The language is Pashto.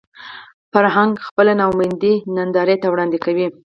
فرهنګ خپله ناامیدي نندارې ته وړاندې کوي